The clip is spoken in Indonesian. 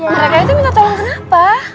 mereka itu minta tolong kenapa